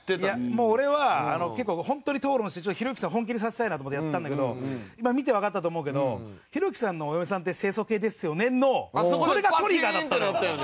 もう俺は本当に討論してひろゆきさんを本気にさせたいなと思ってやったんだけど今見てわかったと思うけど「ひろゆきさんのお嫁さんって清楚系ですよね？」のそれがトリガーだったのよ。